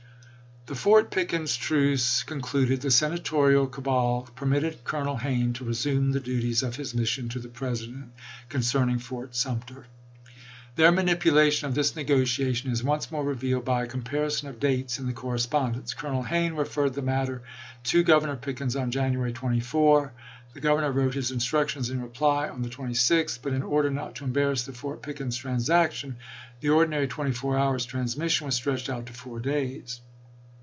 The Fort Pickens truce concluded, the Senatorial cabal permitted Colonel Hayne to resume the duties of his mission to the President concerning Fort Sumter. Their manipulation of this negotiation is once more revealed by a comparison of dates in the correspondence. Colonel Hayne referred the matter i86i. to Governor Pickens on January 24 ; the Governor wrote his instructions in reply on the 26th ; but in order not to embarrass the Fort Pickens transac tion, the ordinary twenty four hours' transmission was stretched out to four days.